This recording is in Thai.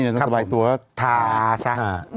เราก็จะซะทาซะ